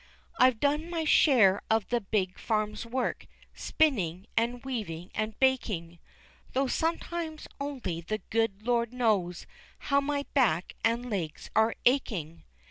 I've done my share of the big farm's work, Spinning, and weaving, and baking; Though sometimes only the good Lord knows How my back and legs are aching.